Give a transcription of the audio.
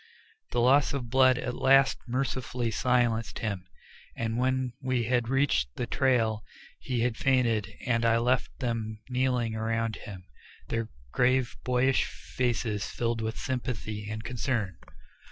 The loss of blood at last mercifully silenced him, and when we had reached the trail he had fainted and I left them kneeling around him, their grave boyish faces filled with sympathy and concern.